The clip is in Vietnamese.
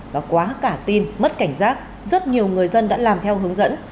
và quá cả tin mất cảnh giác rất nhiều người dân đã làm theo hướng dẫn